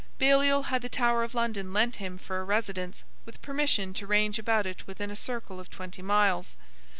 Baliol had the Tower of London lent him for a residence, with permission to range about within a circle of twenty miles.